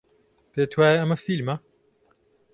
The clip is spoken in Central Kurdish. پێت وایە ئەمە فیلمە؟